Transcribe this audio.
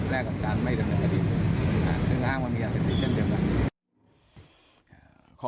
แลกกับการไม่จำเป็นพระดิษฐ์ซึ่งอ้างมันมีการเต็มเต็มเต็มกัน